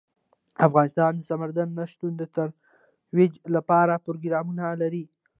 افغانستان د سمندر نه شتون د ترویج لپاره پروګرامونه لري.